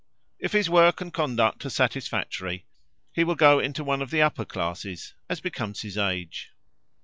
If his work and conduct are satisfactory, he will go into one of the upper classes, as becomes his age."